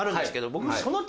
僕。